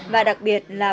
và đặc biệt là